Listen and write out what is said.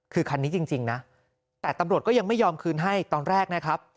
คือคันนี้จริงนะแต่ตำรวจก็ยังไม่ยอมคืนให้ตอนแรกนะครับ